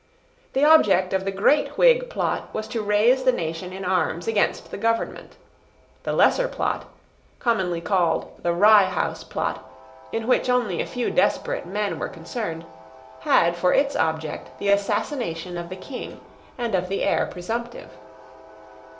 The object of the great Whig plot was to raise the nation in arms against the government. The lesser plot, commonly called the Rye House Plot, in which only a few desperate men were concerned, had for its object the assassination of the King and of the heir presumptive.